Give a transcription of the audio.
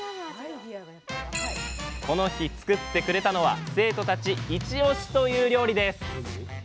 この日作ってくれたのは生徒たちイチ推しという料理です。